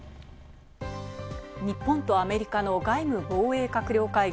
日本とアメリカの外務・防衛閣僚会議